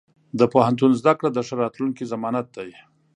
د پوهنتون زده کړه د ښه راتلونکي ضمانت دی.